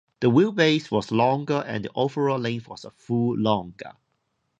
The wheelbase was longer and the overall length was a full longer.